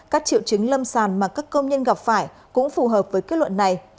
các triệu chứng lâm sàng mà các công nhân gặp phải cũng phù hợp với kết luận này